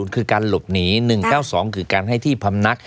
คือการหลบหนี๑๙๒คือการให้ที่พำนัก